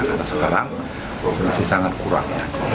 karena sekarang masih sangat kurang